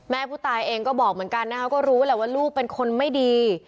ผู้ตายเองก็บอกเหมือนกันนะคะก็รู้แหละว่าลูกเป็นคนไม่ดี